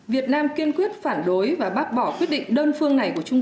việt nam kiên quyết phản đối và bác bỏ quyết định đơn phương này